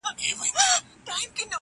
پخوانيو زمانو كي يو لوى ښار وو!!